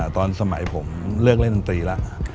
ตอนสมัยผมเลือกเล่นดนตรีแล้ว